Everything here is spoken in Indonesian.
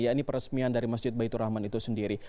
ya ini peresmian dari masjid baitur rahman itu sendiri